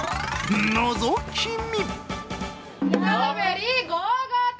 のぞき見！